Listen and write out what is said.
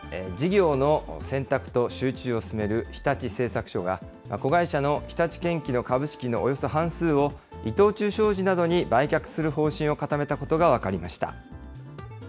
事業の選択と集中を進める日立製作所が、子会社の日立建機の株式のおよそ半数を、伊藤忠商事などに売却する方針を固めたことが分かりました。